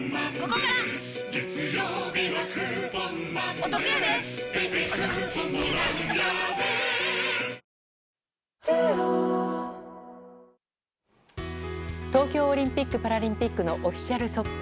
ボランティアの方々が東京オリンピック・パラリンピックのオフィシャルショップ。